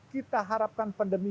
kita harapkan pandemi